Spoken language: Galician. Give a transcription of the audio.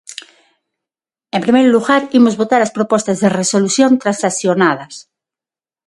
En primeiro lugar, imos votar as propostas de resolución transaccionadas.